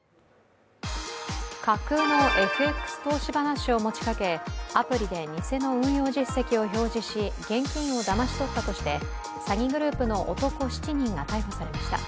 架空のＦＸ投資話を持ちかけアプリで偽の運用実績を表示し現金をだまし取ったとして詐欺グループの男７人が逮捕されました。